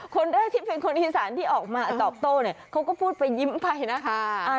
คนเด้อที่เป็นคนอีสานที่ออกมาตอบโต้นี่พูดไปยิ้มไปนะ